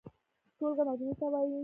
ټولګه مجموعې ته وايي.